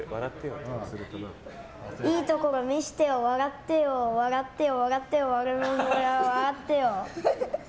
いいところ見せて笑ってよ、笑ってよ、笑ってよ。